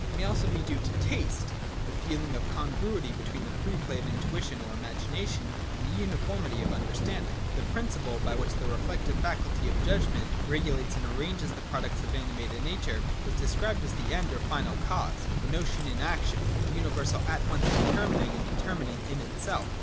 It may also be due to Taste, the feeling of congruity between the free play of intuition or imagination and the uniformity of understanding. 57.] The principle by which the Reflective faculty of Judgment regulates and arranges the products of ani mated nature is described as the End or final cause, — the notion in action, the universal at once determining and determinate in itself.